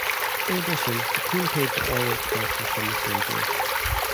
In addition, the team paid for all the expenses from the surgery.